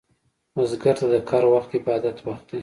بزګر ته د کر وخت عبادت وخت دی